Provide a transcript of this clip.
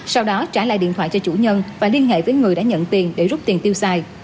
sau đó trả lại điện thoại cho chủ nhân và liên hệ với người đã nhận tiền để rút tiền tiêu xài